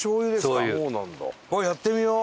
やってみよう！